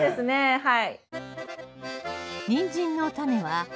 はい。